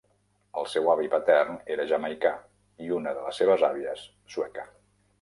El seu avi patern era jamaicà i una de les seves àvies, sueca.